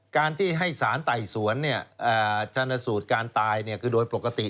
การที่ให้สารไต่สวนชนสูตรการตายคือโดยปกติ